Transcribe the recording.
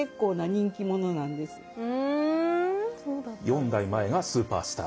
４代前がスーパースター。